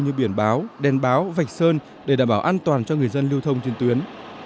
như biển báo đèn báo vạch sơn để đảm bảo an toàn cho người dân lưu thông trên tuyến